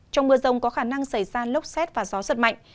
trong mưa rông có khả năng xảy ra lốc xét và gió giật mạnh